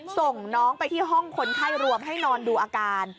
ส่งน้องไปที่ห้องคนไข้รวมให้นอนดูอาการ